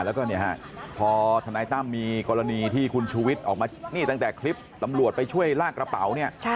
เพราะว่าพอธนายตั้มมีกรณีที่คุณชุวิตออกมานี่ตั้งแต่คลิปตำรวจไปช่วยลากกระเป๋า